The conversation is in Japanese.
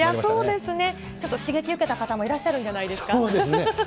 そうですね、ちょっと刺激受けた方もいらっしゃるんじゃないですか。